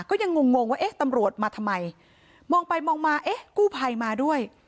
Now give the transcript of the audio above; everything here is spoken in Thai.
ก็ยังงงงงว่าเอ๊ะตำรวจมาทำไมมองไปมองมาเอ๊ะกู้ภัยมาด้วย